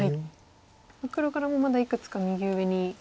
黒からもまだいくつか右上に。